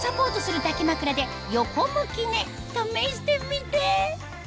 試してみて！